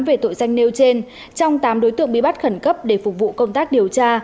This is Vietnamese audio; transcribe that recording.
về tội danh nêu trên trong tám đối tượng bị bắt khẩn cấp để phục vụ công tác điều tra